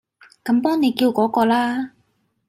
咁幫你叫嗰個啦